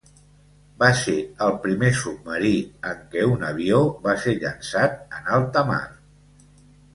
Va ser el primer submarí en què un avió va ser llançat en alta mar.